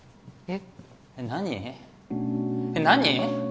えっ何？